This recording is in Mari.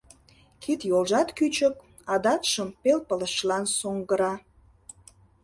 Кид-йолжат кӱчык, адакшым пел пылышлан соҥгыра.